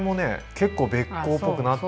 結構べっ甲っぽくなってますね。